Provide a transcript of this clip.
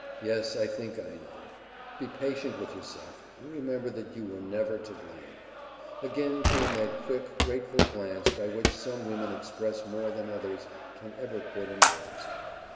Yes, I think I know. Be patient with yourself, and remember that you were never to blame." Again came that quick, grateful glance by which some women express more than others can ever put in words.